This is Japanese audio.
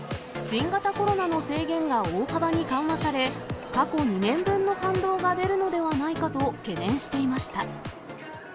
新型コロナの制限が大幅に緩和され、過去２年分の反動が出るのではないかと懸念していました。